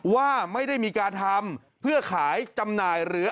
ว่าไม่ได้มีการทำเพื่อขายจำหน่ายหรือ